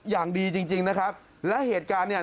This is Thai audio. อย่างดีจริงจริงนะครับและเหตุการณ์เนี่ย